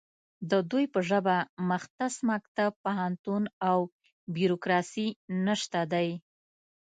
د دوی په ژبه مختص مکتب، پوهنتون او بیرکراسي نشته دی